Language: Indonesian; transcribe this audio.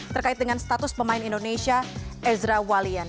terkait dengan status pemain indonesia ezra walian